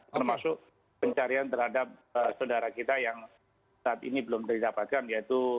termasuk pencarian terhadap saudara kita yang saat ini belum didapatkan yaitu